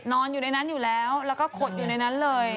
นอนอยู่ในนั้นอยู่แล้วแล้วก็ขดอยู่ในนั้นเลย